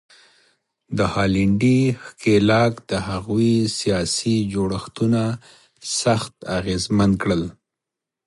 د هالنډي ښکېلاک د هغوی سیاسي جوړښتونه سخت اغېزمن کړل.